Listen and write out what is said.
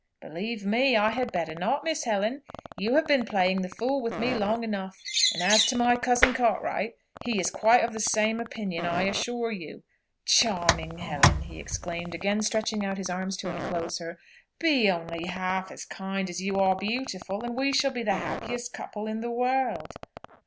"Believe me; I had better not, Miss Helen. You have been playing the fool with me long enough; and as to my cousin Cartwright, he is quite of the same opinion, I assure you. Charming Helen!" he exclaimed, again stretching out his arms to enclose her, "be only half as kind as you are beautiful, and we shall be the happiest couple in the world!"